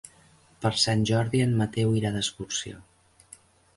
Per Sant Jordi en Mateu irà d'excursió.